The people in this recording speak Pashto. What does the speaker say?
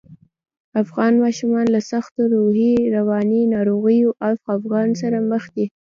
افغان ماشومان له سختو روحي، رواني ناروغیو او خپګان سره مخ دي